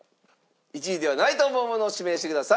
１位ではないと思うものを指名してください。